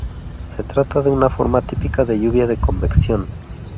Se trata de una forma típica de lluvia de convección.